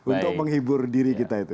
untuk menghibur diri kita itu